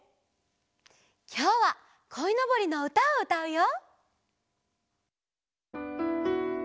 きょうは「こいのぼり」のうたをうたうよ！